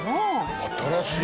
新しい！